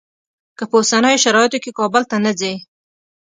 که په اوسنیو شرایطو کې کابل ته نه ځې.